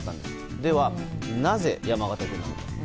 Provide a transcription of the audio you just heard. ではなぜ山形県なのか。